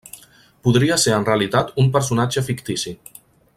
Podria ser en realitat un personatge fictici.